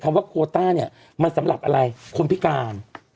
ว่าโคต้าเนี่ยมันสำหรับอะไรคนพิการ